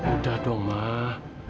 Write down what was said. udah dong mak